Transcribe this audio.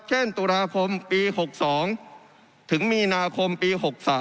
เช่นตุลาคมปี๖๒ถึงมีนาคมปี๖๓